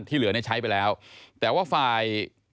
ที่เหลือใช้ไปแล้วแต่ว่าฝ่าย